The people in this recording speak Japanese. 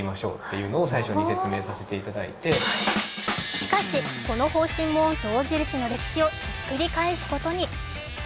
しかし、この方針も象印の歴史をひっくり返すことに。